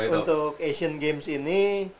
untuk asian games ini